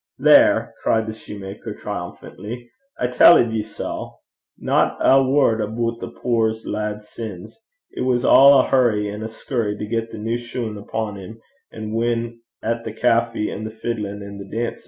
'There!' cried the soutar, triumphantly, 'I telled ye sae! Not ae word aboot the puir lad's sins! It was a' a hurry an' a scurry to get the new shune upo' 'im, an' win at the calfie an' the fiddlin' an' the dancin'.